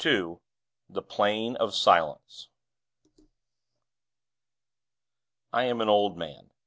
II THE PLAIN OF SILENCE I am an old man.